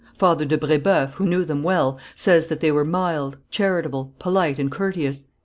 Father de Brébeuf, who knew them well, says that they were mild, charitable, polite and courteous.